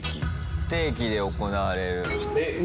不定期で行われる。